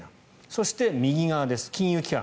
そして右側、金融機関。